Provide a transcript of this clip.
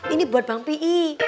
ini buat bang pih